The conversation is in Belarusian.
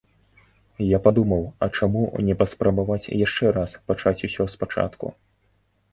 Я падумаў, а чаму не паспрабаваць яшчэ раз пачаць усё спачатку.